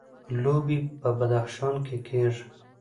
لوبیې په بدخشان کې کیږي